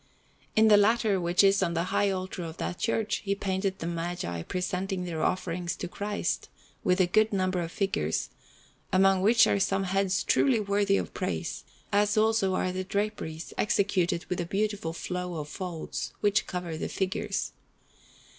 In the latter, which is on the high altar of that church, he painted the Magi presenting their offerings to Christ, with a good number of figures, among which are some heads truly worthy of praise, as also are the draperies, executed with a beautiful flow of folds, which cover the figures.